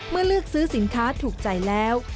เมื่อเลือกซื้อสินค้าถูกใจแล้ว